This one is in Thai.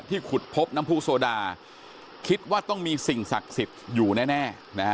ขุดพบน้ำผู้โซดาคิดว่าต้องมีสิ่งศักดิ์สิทธิ์อยู่แน่นะฮะ